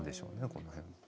この辺。